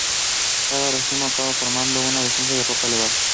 Cada racimo acaba formando una densa copa elevada.